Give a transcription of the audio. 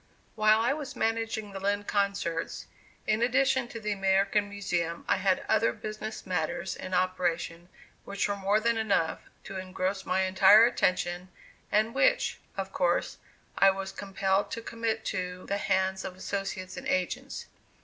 While I was managing the Lind concerts, in addition to the American Museum I had other business matters in operation which were more than enough to engross my entire attention and which, of course, I was compelled to commit to the hands of associates and agents.